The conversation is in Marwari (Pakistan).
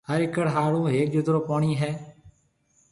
هر ايڪڙ هارون هيَڪجترو پوڻِي هيَ۔